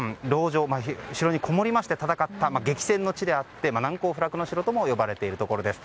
城にこもりまして戦った激戦の地であって難攻不落の城とも呼ばれているところです。